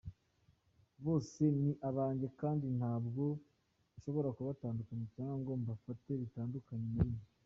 Bose ni abanjye kandi ntabwo nshobora kubatandukanya cyangwa ngo mbafate bitandukanye na rimwe.